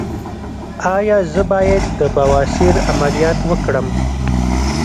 ایا زه باید د بواسیر عملیات وکړم؟